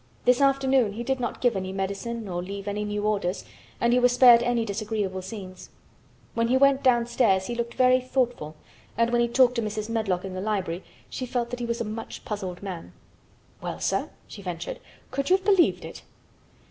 This afternoon he did not give any medicine or leave any new orders and he was spared any disagreeable scenes. When he went downstairs he looked very thoughtful and when he talked to Mrs. Medlock in the library she felt that he was a much puzzled man. "Well, sir," she ventured, "could you have believed it?"